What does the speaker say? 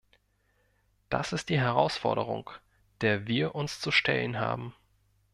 Das ist die Herausforderung, der wir uns zu stellen haben.